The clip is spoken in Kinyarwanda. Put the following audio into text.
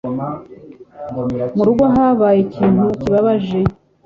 Mu rugo habaye ikintu kibabaje.